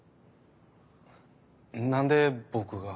何で僕が。